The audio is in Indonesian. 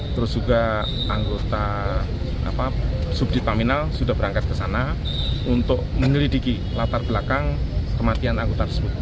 terus juga anggota subdit paminal sudah berangkat ke sana untuk menyelidiki latar belakang kematian anggota tersebut